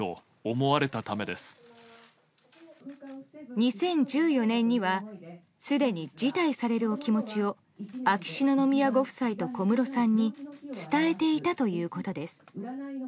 ２０１４年にはすでに辞退されるお気持ちを秋篠宮ご夫妻と小室さんに伝えていたということです。